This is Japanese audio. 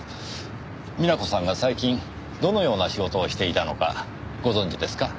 美奈子さんが最近どのような仕事をしていたのかご存じですか？